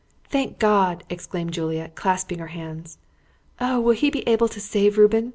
"Thank God!" exclaimed Juliet, clasping her hands. "Oh! will he be able to save Reuben?